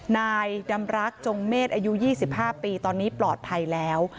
นายดำรักษ์จงเมษย์อายุยี่สิบห้าปีตอนนี้ปลอดภัยแล้ว